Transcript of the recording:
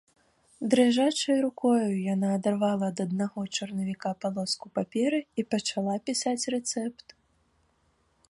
Дрыжачай рукой яна адарвала ад аднаго чарнавіка палоску паперы і пачала пісаць рэцэпт.